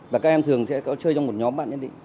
và các em thường sẽ có chơi trong một nhóm bạn nhất định